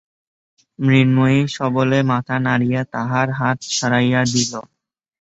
মৃন্ময়ী সবলে মাথা নাড়িয়া তাহার হাত সরাইয়া দিল।